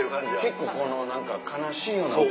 結構何か悲しいような。